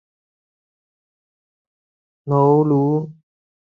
瑙魯